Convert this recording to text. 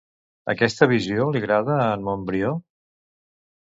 Aquesta visió li agrada a en Montbrió?